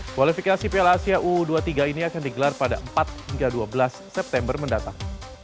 kualifikasi piala asia u dua puluh tiga ini akan digelar pada empat hingga dua belas september mendatang